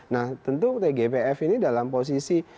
nah tentu tgpf ini dalam posisi